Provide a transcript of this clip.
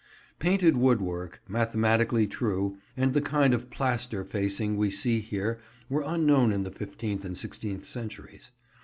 Painted woodwork, mathematically true, and the kind of plaster facing we see here were unknown in the fifteenth and sixteenth centuries.